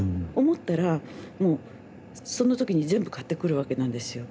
思ったらもうその時に全部買ってくるわけなんですよ。